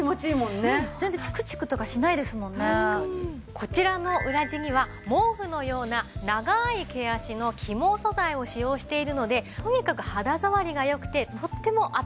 こちらの裏地には毛布のような長い毛足の起毛素材を使用しているのでとにかく肌触りが良くてとってもあたたかいんです。